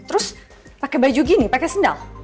terus pakai baju gini pakai sendal